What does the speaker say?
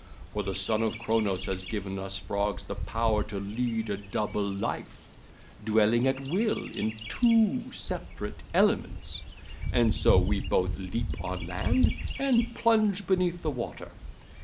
For the Son of Chronos has given us Frogs the power to lead a double life, dwelling at will in two separate elements; and so we both leap on land and plunge beneath the water.